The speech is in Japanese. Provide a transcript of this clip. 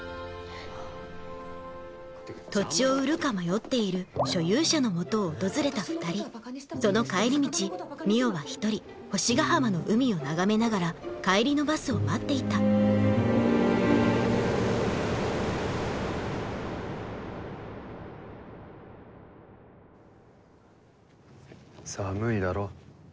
土地を売るか迷っている所有者の元を訪れた２人その帰り道海音は１人星ヶ浜の海を眺めながら帰りのバスを待っていた寒いだろ。